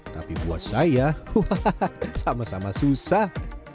tapi buat saya hahaha sama sama susah